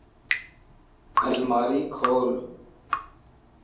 الماري کول